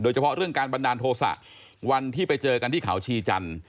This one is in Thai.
เฉพาะเรื่องการบันดาลโทษะวันที่ไปเจอกันที่เขาชีจันทร์